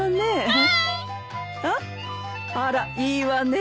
あらいいわね。